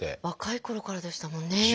若いころからでしたもんね。